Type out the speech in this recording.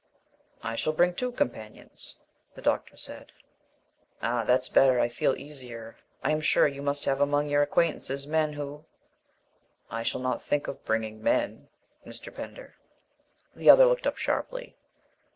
"I shall bring two companions," the doctor said. "Ah, that's better. I feel easier. I am sure you must have among your acquaintances men who " "I shall not think of bringing men, Mr. Pender." The other looked up sharply.